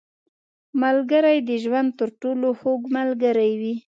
• ملګری د ژوند تر ټولو خوږ ملګری وي.